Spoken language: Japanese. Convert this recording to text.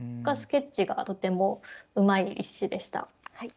スケッチがとてもうまい一首でした。